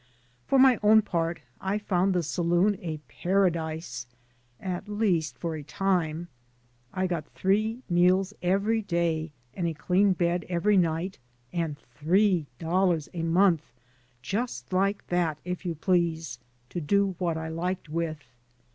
For my own part, I found the saloon a paradise, at least for a time. I got three meals every day and a clean bed every night, and three dollars a month, just like that, if you please, to do what I liked with.